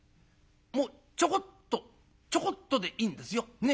もうちょこっとちょこっとでいいんですよ。ね？